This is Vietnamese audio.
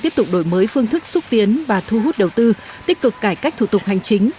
tiếp tục đổi mới phương thức xúc tiến và thu hút đầu tư tích cực cải cách thủ tục hành chính